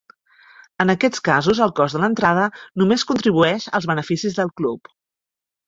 En aquests casos, el cost de l"entrada només contribueix als beneficis del club.